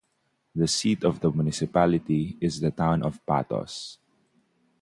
The seat of the municipality is the town Patos.